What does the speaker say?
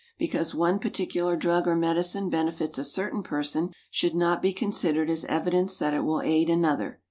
Because one particular drug or medicine benefits a certain person should not be considered as evidence that it will aid another.